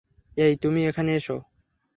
এই, তুমি এখানে এসো।